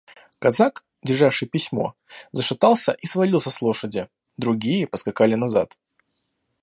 Казак, державший письмо, зашатался и свалился с лошади; другие поскакали назад.